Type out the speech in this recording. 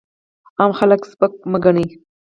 عام خلک سپک مه ګڼئ!